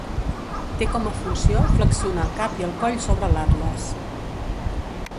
Té com a funció flexionar el cap i el coll sobre l'atles.